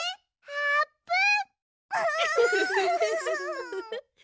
あーぷん！